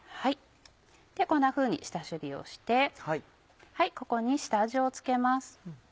こんなふうに下処理をしてここに下味を付けます。